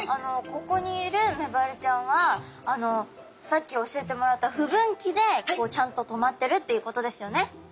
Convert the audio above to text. ここにいるメバルちゃんはさっき教えてもらった不分岐でちゃんと止まってるっていうことですよね。